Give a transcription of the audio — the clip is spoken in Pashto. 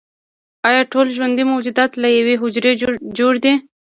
ایا ټول ژوندي موجودات له یوې حجرې جوړ دي